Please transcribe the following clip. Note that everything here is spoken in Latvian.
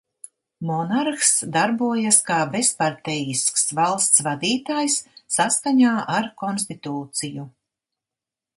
Monarhs darbojas kā bezpartejisks valsts vadītājs saskaņā ar konstitūciju.